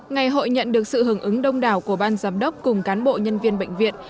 ngày hội nhận được sự hưởng ứng đông đảo của ban giám đốc cùng cán bộ nhân viên bệnh viện